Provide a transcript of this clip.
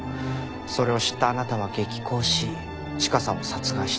それを知ったあなたは激高しチカさんを殺害した。